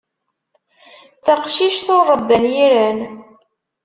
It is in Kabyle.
D taqcict ur ṛebban yiran.